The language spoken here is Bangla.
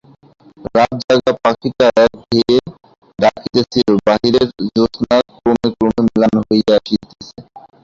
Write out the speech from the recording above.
রাত-জাগা পাখীটা একঘেয়ে ডাকিতেছিল, বাহিরের জ্যোৎস্না ক্রমে ক্রমে ম্লান হইয়া আসিতেছে।